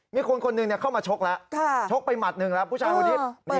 มีคนคนหนึ่งเข้ามาชกแล้วชกไปหมัดหนึ่งแล้วผู้ชายคนนี้